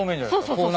そう。